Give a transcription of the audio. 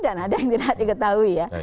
dan ada yang tidak diketahui ya